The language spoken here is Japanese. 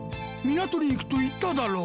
港に行くと言っただろ。